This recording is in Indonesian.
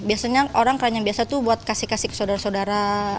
biasanya orang keranjang biasa tuh buat kasih kasih ke saudara saudara